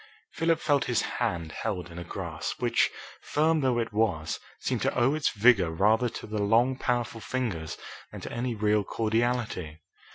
'" Philip felt his hand held in a grasp which, firm though it was, seemed to owe its vigour rather to the long, powerful fingers than to any real cordiality.